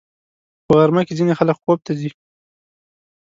په غرمه کې ځینې خلک خوب ته ځي